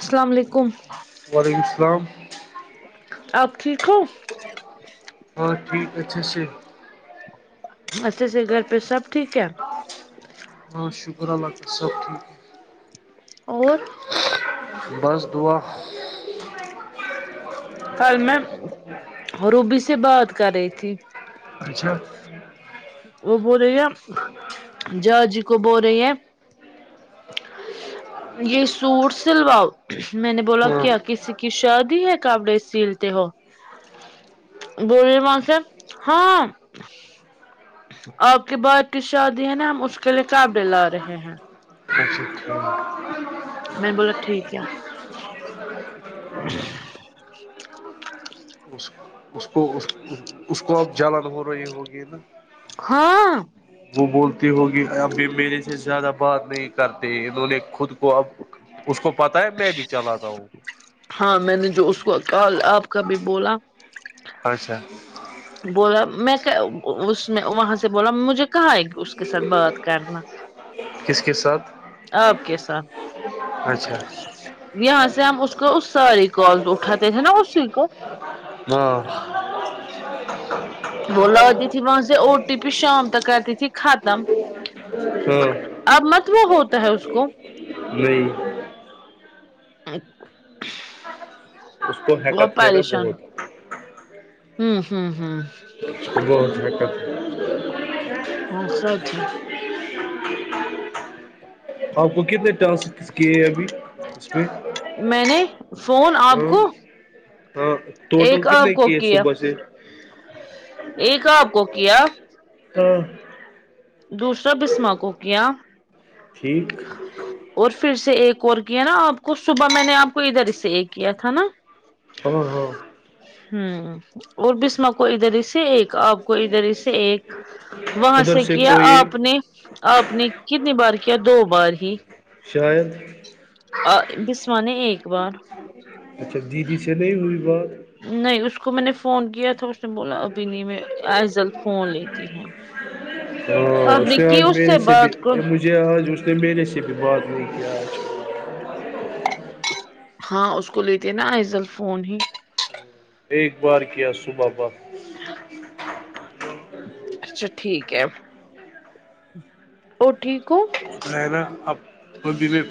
السلام علیکم وعلیکم السلام آپ ٹھیک ہو ہاں ٹھیک اچھا اچھ اچھے سے گھر پہ سب ٹھیک ہے ہاں شکر اللہاک صحب ٹھیک ہے اور بس دعا کل میں روبی سے بات کر رہی تھی اچھا وہ بول رہی ہے جاجی کو بول رہی ہے یہ سوٹ سلواؤ میں نے بولا ہاں کیا کسی کہ شہاد ہی ہے کاابڑے سیل ت ہو بوریر م سے ہاں آپ کے بات کی شادی ہے نا ہم اس کے لیے قابلے لا رہے ہیں [unintelligible] میں نے بولا ٹھیک ہے اس کو اس کو آپ جالال ہو رہے ہوگی نا ہاں وہ بولتی ہوگی ابھی میرے سے زیادہ بات نہیں کرتے انہوں نے خود کو اب اس کو پتا ہے میں بھی چلاتا ہوں ہاں میں نے جو اس کو ک آپ کا بھی بولا اچھا بولا میں اس میں وہاں سے بولا مجھے کہاں ہے اس کے ساتھ بات کرنا کس کے ساتھ اوکے سر اچھا یہاں سے ہم اس کو اس ساری کال تو اٹھاتے ہیں نا اسی کو ناں وہ ل تھی و سے او ٹی پی شام تک کر تھی ختم ہوں اب مت وہ ہوتا ہے اس کو نہیں اس کو وہ حیکت ہے نا پریشان بہت ھم ہم ہم [unintelligible] ہاں س اچھا آپ کو کتنے ٹانس کیے ابھی اچھی میں نے فون آپ کو ہاں ٹوٹل ایک آپ کتنے کو کیے کیا صبح سے ایک آپ کو کیا ہاں دوسرا بسما کو کیا ٹھیک اور پھر سے ایک اور کیا نا آپ کو صبح میں نے آپ کو ادھر اس سے ایک کیا تھا نا ہاں ہاں ھم اور بسما کو ادھر اس سے ایک آپ کو ادھر اس سے ایک وہاں ادھر سے کیا کوئی ایک آپ نے آپ نے کتنی بار کیا دو بار ہی شاید بسم نے ایک بار اچھا دیدی سے نہیں ہوئی بات نہیں اس کو میں نے فون کیا تھا اس نے بولا ابھی نہیں میں ایزل فون لیتی ہیں ہ آپ اس نے کی آج میرے سے بھی بات کو مجھے آج تو میل سے بھی بات ل کہ آج ہاں اس کو لیتے نا ایزل فون ہی [unintelligible] ایک بار کیا صبح وقت اچھا ٹھیک ہے اور ٹھیک ہو ہے نا اب بھی میں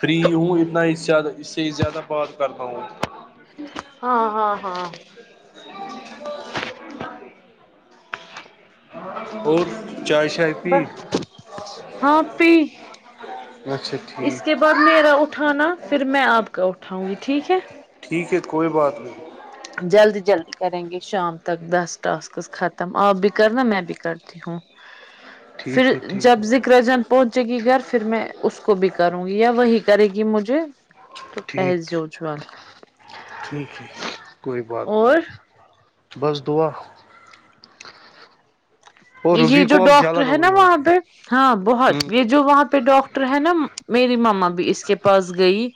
فری ہوں اتنا اسی زیادہ اس سے زیادہ بات کر پیونگا ہاں ہاں ہاں اور چائے شائے پی بس ہاں آپپی وہ چھٹتی بعد میرا اٹھانا پھر میں آپ کا اٹھاؤں گی ٹھیک ہے ٹھیک ہے کوئی بات نہیں جلدی جلدی کریں گے شام تک دس ٹاسکس ختم آپ بھی کرنا میں بھی کرتا جی ہاں [unintelligible] پھر ٹھیک جب ہے ذکر جن پہنچے گی گھر پھر میں اس کو بھی کروں گی یا وہی کرے گی مجھے تو پہس ٹھیک جوؤ جول ٹھیک ہے کوئی بات نہیں اور بس دعا روبی یہ جو کو اب ڈاکاکٹر جلن ہے نا ہوئی وہاں ہوگی پہ ہاں ہ بہت یہ جو وہاں پہ ڈاکٹر ڈٹر ہے نا میری ماما بھی اس کے پاس گئی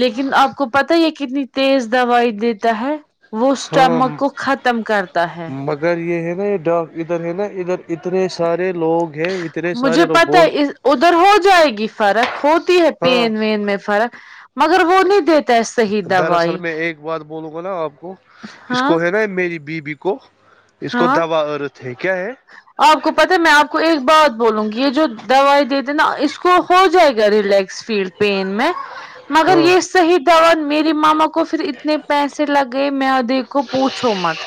لیکن آپ کو پتا یہ کتنی تیز دوائی دیتا ہے وہ اسٹمک کو ختم کرتا ہے ادھر یہ ہے نا یہ ڈ ادھر ہے نا ادھر اتنے سارے لوگ ہیں اتنے مجھے سارے لوگ پتا بول ہے ادھر ہو جائے گی فرق ہوتی ہے ہاں پین وین میں فرق مگر وہ نہیں دیتے صیح دراصل میں ایک بات بولوں گا نا آپ کو اس ہاں کو ہے نا میری بیوی کو اس کو دوبا عرت ہے کیا ہے آ کو پتاہ ہے میں آپ کو ایک بات بولوں گی یہ جو دوائی دیتے نا اس کو ہو جائے گا ریلیکس فیلڈ پین میں [unintelligible] مگر یہ صحیح دان میرری ماما کو پھر اتنے پیسے لگئے مدے کو پوچھو مت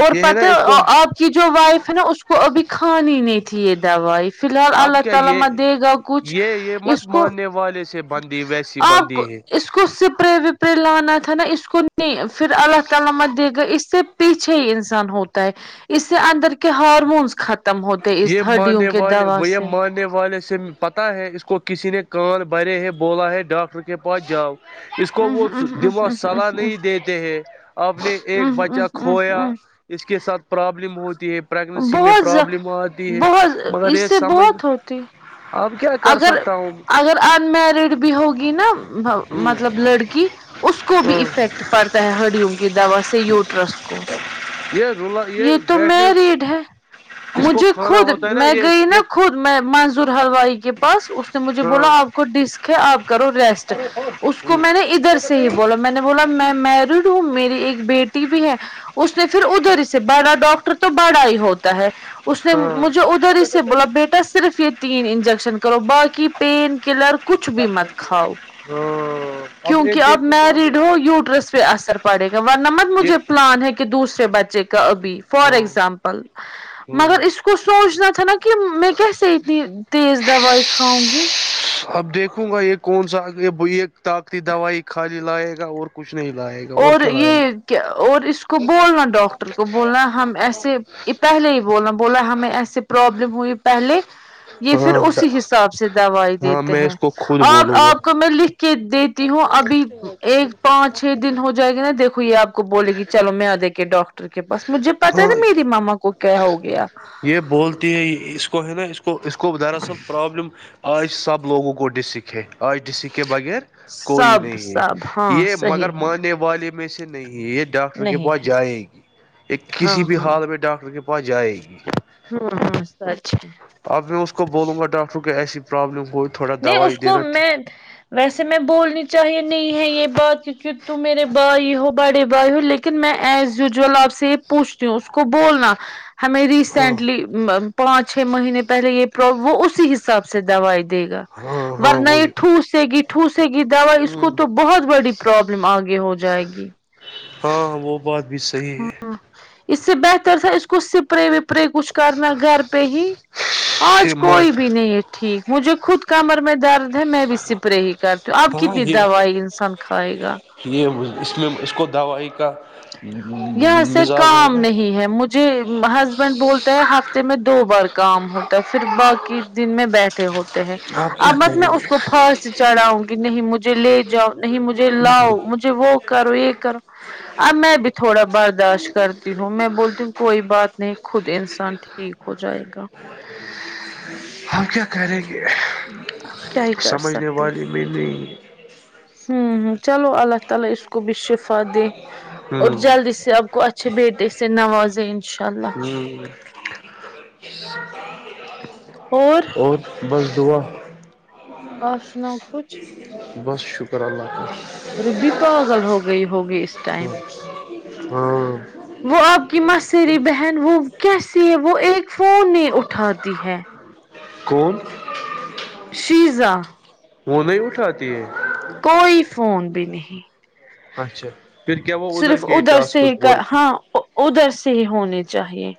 اور یہ ہے نا پت اس کو آپ کی جو وائف نا اس کو ابھی کھانی نہیں تھی یہ دوائی فلحال اب اللہ کیا یہ تعالی کچھ یہ یہ مت اس کو ماننے والے سے بندی ویسی اپ بندی ہے اس کو سپرے و تے لانا تھا نا اس کو نہیں پھر اللہ تعالی مت دے گا اس سے پیچھے انسان ہوتا ہے اس سے اندر کے ہارمونس ختم ہوتے اس یہ ہڈیوں ماننے کے والے دوا وہ یہ سے ماننے والے سے پتا ہے اس کو کسی نے کان بھرے ہے بولا ہے ڈاکٹر کے کے پاس جاؤ اس کو وہ دماغ صلاح نہیں دیتے ہیں آپ نے ایک بچہ کھویا اس کے ساتھ پرابلم ہوتی ہے پریگنسی میں بہت پرابلم آتی ہے بہت مگر اس یہ سے سمجھ بہت ہوتی اب کیا کر اگر سکتا ہوں اگر انمیرڈ بھی ہوگی نا مطلب لڑکی اس کو بھی ہاں افیکٹ پڑتا ہے ہڑیوں کی دوا سے یوٹرس کو یہ رولا یہ تو م بیٹھنے ریڈ ہے اس کو مجھے کھانا خود ہوتا ہے نا میں یہ گئی نا یہ خود منظور حلوائ پاس اس نے مجھے ہاں بولا آپ کو ڈسک ہے آپ کرو ریسٹ اس کو میں نے ادھر سے ہی بولا میں نے بولا میں میر ہوں میری ایک بیٹی بھی ہے اس نے پھر ادھر سے بڑا ڈاکٹر تو بڑا ہی ہوتا ہے اس نے ہاں مجھے ادھر ہی سے بولا بیٹا صرف یہ تین انجیکشن کا کربا کی پین کلر کچھ بھی مت کھاؤ ہاں اب یہ کیونکہ آپ دیکھوں گا اب مریڈ ہو یوٹرس پہ اثر پڑے گا ورنمبر یہ مجھے پلان ہے کہ دوسرے بچے کا ابھی فار ہاں ایگزامپل ہوں مگر اس کو سوچنا تھا نا کہ میں کیسے اتنی تیز دوائی کاؤں گی اب دیکھوں گا یہ کون سا یہ یہ طاقتی دوائی خالی لائے گا اور کچھ نہیں لائے گا اور کیا لائے گا کہ اور اس کو بولنا ڈاکٹر کو بولنا ہم ایسے یہ پہلے ہی بولانا بولا ہمیں ایسے پروابلم ہوئی پہلے یہ گا پھر ہاں اسی حساب سے سے دوائی ہاں دیتے میں ہیں اس کو خود آپ بولوں گا آپ کو میں لکھ کے دیتی ہوں ابھی ایک پانچ چھ ہو جائے گی نا دھو یہ آپ کو بولےی چلو میں آ دیک کے ڈاکٹر ٹر کے پاس مجھے پتا ہے نا ہاں میری ماما کو کیا ہو گیا یہ بول اس کو ہے نا اس کو اس کو دراصل پرابلم آج سب لوگوں کو ڈس سک ہے آچ ڈی سی کے بغیر کوئی سب نہیں ہے سب ہاں یہ مگر صحیح ہے ماننے والے میں سے نہیں یہ ڈاکٹر کے نہیں پاس ہے جائے گی یہ ہاں کسی بھی ہاں حال میں ڈاکٹر کے پاس جائے گی ہاں ہاں سچ ہے اب میں اس کو بولوں گا ڈاکٹر کو ایسی پرابلم ہو نہیں اس کو میں ویسے میں بولنی چاہیے نہیں ہے یہ بات کی ت میرے بھائی ہو بڑے بھائی ہو لیکن ن میں ایز یوزل آپ سے یہ پوچھتی ہوں اس کو بولنا ہمیں ہاں ریسینٹلی پانچ چھ مہینے پہلے یہ وہ اسی حساب سے دوائی دے گا ہاں ہاں ورنہ وہی ٹھوسے گی ٹوسے گی دوا اس کو تو بہت بڑی پروابلم آگے ہو جائے گی ہاں وہ بات بھی صحیح ہے ہاں اس سے بہتر تھا اس کو سپرے اپے کچھ کرنا گھر پہ ہی آج یہ مان کوئی بھی نہیں ہے ٹھیک مجھے خود کمر میں درد میں بھی سپرے ہی کرتی ہوں اب ہاں کتنی یہ دوائی انسان کھائے گا یہ اس میں اس کو دوائی کا یہاں سے مزاج ہے کام نا نہیں ہے مجھ جی ہسبینڈ بولتے ہیں ہفتے میں دو بار کام ہوتا ہے پھر باقی دن میں بیٹھے ہوتے ہیں آپ اب کیا مت میں کریں اس گے کو پھاس سے چڑھاؤں گی نہیں مجھے لے جاؤ نہیں مجھے لاؤ مجھے وہ کرو یہ کرو اب میں بھی تھوڑا بہت برداشت کرتی ہوں میں بولتی ہوں کوئی بات نہیں خود انسان ٹھیک ہو جائے گا ہم کیا کریں گے کیا ہی کر سمجھنے سکتے والی میں نے ہوں ہ چلو اللہ تعالی اس کو بھی شفا دے اور ہ جلدی سے اب کوتھ بی ت ا اس س نوازئین [unintelligible] اور بس دعا آپ سناؤ کچھ بس شکر اللہف روبی پاگل ہو گئی ہوگی اس کا ٹائم ہاں وہ آپ کی مصری بہن وہ کیسی ہے وہ ایک فون نہیں اٹھاتی ہے کون شزا وہ نہیں اٹھاتی ہے کوئی فون بھی نہیں اچھا پھر کیا وہ صرف کے ادھر سے ٹاسکس ہی پر کر ہاں ادھر سے ہونے چاہیے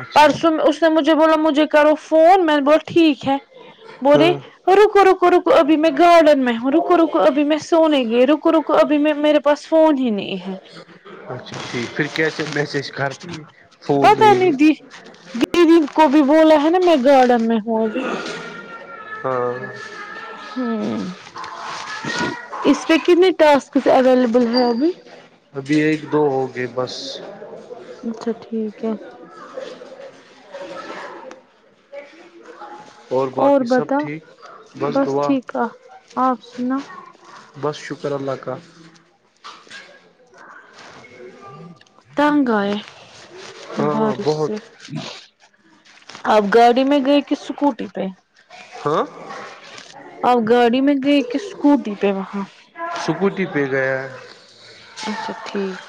اچھا پرسوں میں اس مجھے بولا مجھے کرو فون میں نے ب ٹھیک ہے بوے ہاں رکو رکو رک ابھی میں گارڈن میں رک رکو رکو ابھی میں سونے گئی رکو رکو ابھی میں میرے پس فون ہی نہیں ہے اچھا ٹھیک پھر کیسے میسج کرتی ہے فون پتا نہیں دی دیدی کو بھی بولا ہے نا میں گارڈن میں ہوں ابھی ہاں ہوں اس پ ک نے ٹاسکس اویل ابھی ایک دو ہو گئے بس اچھا ٹھیک ہے اور باقی سب ٹھیک بس دعا ٹھیک آ آپ سنا بس شکر اللہ کال تنگ آئےے ہاں بارش سے بہت آپ گاڑی میں گئے کہ اسکوٹی پہ ہاں آپ گاڑی میں گئے کہ اسکوٹی پہ وہاں سکوٹی پہ گیا اچھا ٹھیک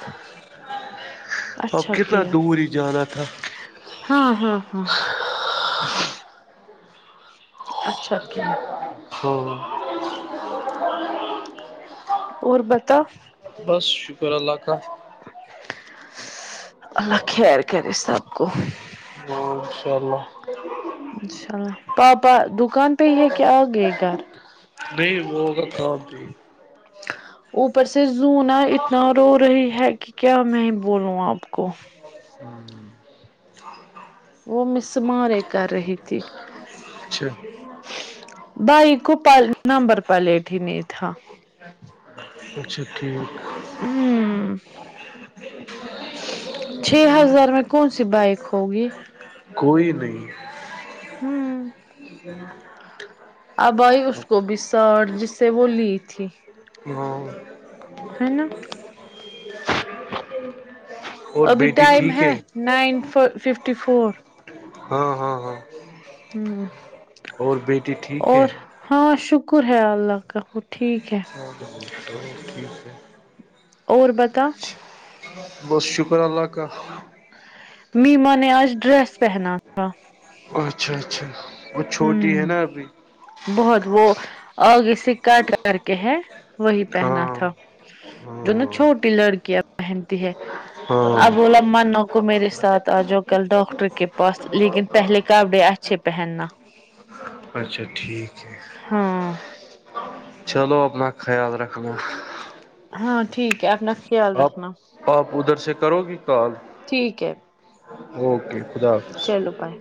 اب اچھا کتنا کیا دور ہی جانا تھا ہاں ہاں ہاں اچھا نہ ہاں اور بتا بس شکر اللہ کاال اللہ خیر کرے سب کو شیر میں ج انشاء اللہ پاپا دکان پ ہے کہ آئے گھر نہیں وہگ اوپر سے زنا اتنا رو رہی ہے کہ کیا میں بولوں آپ کو ہوں وہ مسمارے کر رہی تھی اچھا بھائی کو نمبر پلیٹ ہی نہیں تھا اچھا ٹھیک ہوں چھ ہزار میں کون سی بائک ہوگی کوئی نہیں ہوں [inaudible] اب آائی اس کو بھی ساڑ جس سے وہ لی تھی ہاں ہے نا اور ابھی بیٹی ٹائم ٹھیک ہے نائن ففٹی فور ہاں ہاں ہاں ہوں اور بیٹی ٹھیک ہے ہاں شکر ہے اللہ کا ٹھیک ہے ٹھیک ہے اور بتا بت شکر اللہ کا میما نے آج ڈریس پہنا تھا اچھا اچھا وہ چھوٹی ہے ہوں نا ابھی بہت وہ آگے سے کٹ کر کے ہے وہی پہنا ہاں تھا جو نا ہاں چھوٹی لڑکیاں پہنتی ہے ہاں ابولا مان کو میرے ساتھ آ جا کل ڈاکٹر کے پاس لیکن پہلے کاڈے اچھے پہننا اچھا ٹھیک ہے ہاں چلو اپنا خیال رکھنا ہاں ٹھیک ہے اپنا خیال آپ رکھنا آپ ادھر سے کرو گی کال ٹھیک ہے اوکے خدا حافظ لو پائے